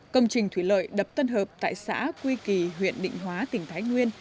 công trình thủy lợi đập tân hợp tại xã quy kỳ huyện định hóa tỉnh thái nguyên